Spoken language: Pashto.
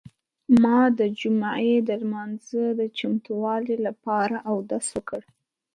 ما د جمعې د لمانځه د چمتووالي لپاره اودس وکړ.